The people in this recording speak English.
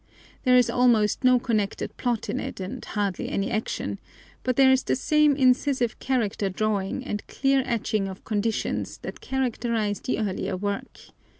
There is almost no connected plot in it and hardly any action, but there is the same incisive character drawing and clear etching of conditions that characterize the earlier work.